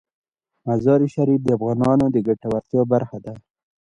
مزارشریف د افغانانو د ګټورتیا برخه ده.